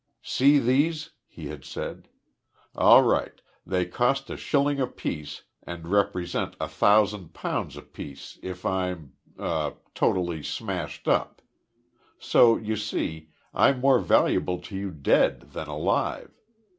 "See these?" he had said. "All right. They cost a shilling apiece, and represent 1,000 pounds apiece if I'm er totally smashed up. So, you see, I'm more valuable to you dead than alive.